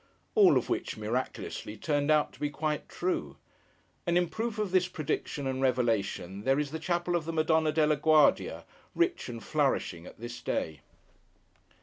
All of which (miraculously) turned out to be quite true. And in proof of this prediction and revelation, there is the chapel of the Madonna della Guardia, rich and flourishing at this day.